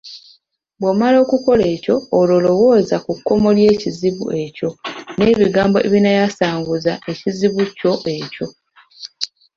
Bw’omala okukola ekyo olwo lowooza ku kkomo ly’ekizibu ekyo n’ebigambo ebinaayasanguza ekizibu kyo ekyo.